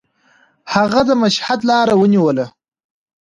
هغه د مشهد لاره ونیوله.